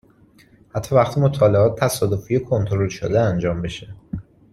حتی وقتی مطالعات تصادفی و کنترل شده انجام بشه!